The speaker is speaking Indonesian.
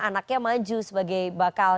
anaknya maju sebagai bakal